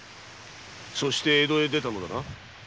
そして江戸に出たのだな。